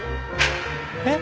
えっ？